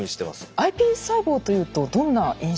ｉＰＳ細胞というとどんな印象を？